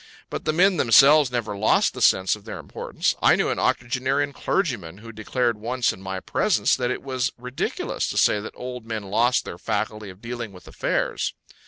But the men themselves never lost the sense of their importance. I knew an octogenarian clergyman who declared once in my presence that it was ridiculous to say that old men lost their faculty of dealing with affairs.